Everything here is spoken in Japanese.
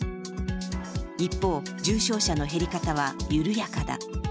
一方、重症者の減り方は緩やかだ。